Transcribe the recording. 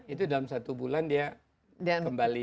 itu dalam satu bulan dia kembali